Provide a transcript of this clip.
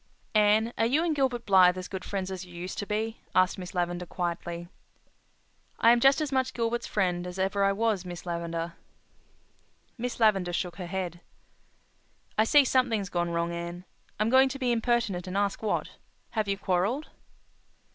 '" "Anne, are you and Gilbert Blythe as good friends as you used to be?" asked Miss Lavendar quietly. "I am just as much Gilbert's friend as ever I was, Miss Lavendar." Miss Lavendar shook her head. "I see something's gone wrong, Anne. I'm going to be impertinent and ask what. Have you quarrelled?"